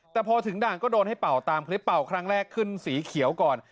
แต่พอถึงด่านก็โดนให้เป่าตามคลิปเป่าครั้งแรกขึ้นสีเขียวก่อน